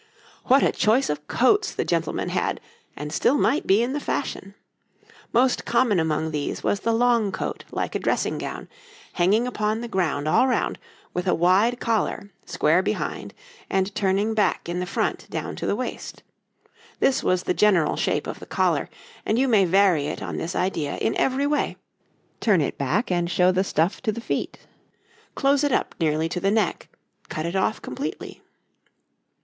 What a choice of coats the gentlemen had, and still might be in the fashion! Most common among these was the long coat like a dressing gown, hanging upon the ground all round, with a wide collar, square behind, and turning back in the front down to the waist this was the general shape of the collar, and you may vary it on this idea in every way: turn it back and show the stuff to the feet, close it up nearly to the neck, cut it off completely.